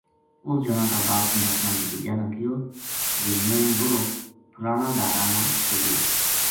اس جنا کا باپ نے اپنا بھتیجا نا کہیو جے میں لُڑو پھلاناڈھاراما چھوڈیو